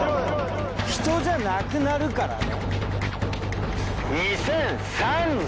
人じゃ無くなるからね。